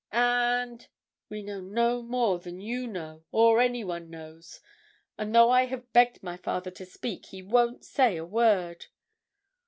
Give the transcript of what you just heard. And—we know no more than you know or anyone knows, and though I have begged my father to speak, he won't say a word.